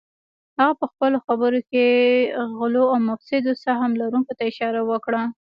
هغه پهخپلو خبرو کې غلو او مفسدو سهم لرونکو ته اشاره وکړه